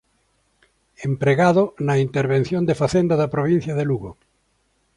Empregado na Intervención de Facenda da provincia de Lugo.